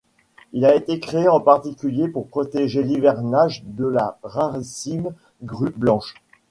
Il a été créé en particulier pour protéger l'hivernage de la rarissime Grue blanche.